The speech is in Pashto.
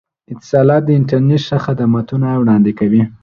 اتصالات د انترنت ښه خدمتونه وړاندې کوي.